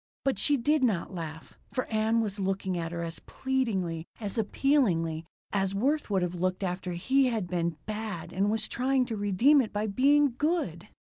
But she did not laugh, for Ann was looking at her as pleadingly, as appealingly, as Worth would have looked after he had been "bad" and was trying to redeem it by being "good."